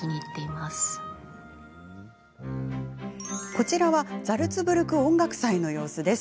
こちらはザルツブルク音楽祭の様子です。